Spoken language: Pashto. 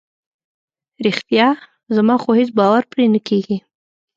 رښتیا؟ زما خو هیڅ باور پرې نه کیږي.